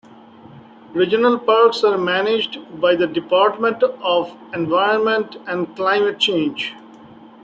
Regional Parks are managed by the Department of Environment and Climate Change.